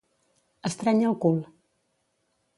Estrènyer el cul.